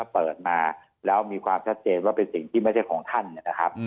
เปิดมาแล้วมีความชัดเจนว่าเป็นสิ่งที่ไม่ใช่ของท่านนะครับ